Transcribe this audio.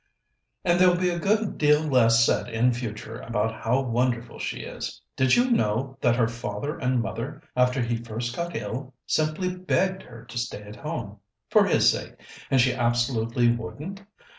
" and there'll be a good deal less said in future about how wonderful she is. Did you know that her father and mother, after he first got ill, simply begged her to stay at home, for his sake, and she absolutely wouldn't?